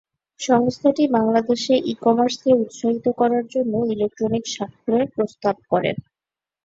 সংস্থাটি বাংলাদেশে ই-কমার্সকে উৎসাহিত করার জন্য ইলেকট্রনিক স্বাক্ষরের প্রস্তাব করে।